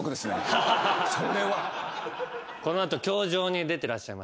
それは。